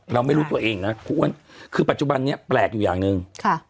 เราไม่รู้ตัวเองนะคือปัจจุบันนี้แปลกอยู่อย่างหนึ่ง